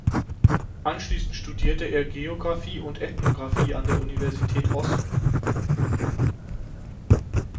Anschließend studierte er Geografie und Ethnografie an der Universität Oslo.